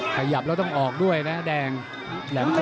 ขยับแล้วต้องออกด้วยนะแดงแหลมโค้ง